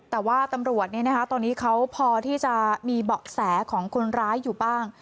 แต่ว่าตำรวจตอนนี้เขาพอที่จะมีเบาะแสของคนร้ายอยู่บ้าง